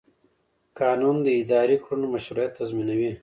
قانون د اداري کړنو مشروعیت تضمینوي.